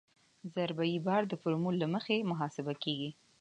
ضربه یي بار د فورمول له مخې محاسبه کیږي